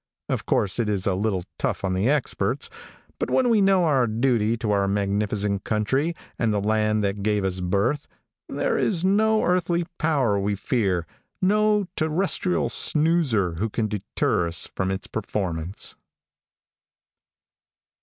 Of course it is a little tough on the experts, but when we know our duty to our magnificent country and the land that gave us birth, there is no earthly power we fear, no terrestrial snoozer who can deter us from its performance.